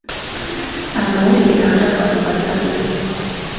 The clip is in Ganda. Amawulire agafa ku katale.